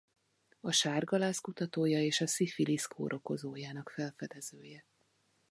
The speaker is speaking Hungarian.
A sárgaláz kutatója és a szifilisz kórokozójának felfedezője.